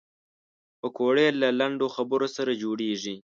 پکورې له لنډو خبرو سره جوړېږي